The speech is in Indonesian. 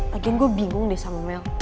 lagian gue bingung deh sama mel